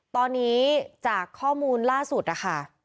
ตอนนี้จากข้อมูลล่าสุดนะคะ